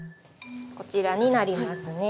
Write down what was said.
こちらになりますね。